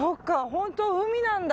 本当に海なんだ。